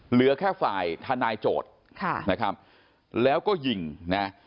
เหลือแค่ฝ่ายทนายโจทย์ค่ะนะครับแล้วก็ยิงนะ